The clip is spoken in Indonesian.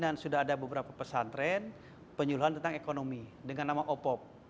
sudah ada beberapa pesantren penyuluhan tentang ekonomi dengan nama opop